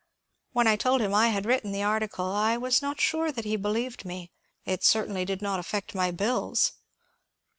When I told him I had written the article, I was not sure that he believed me ; it certainly did not affect my bills.